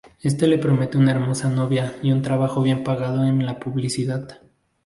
Éste le promete una hermosa novia y un trabajo bien pagado en la publicidad.